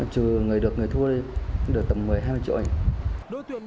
trừ người được người thua thì được tầm một mươi hai mươi triệu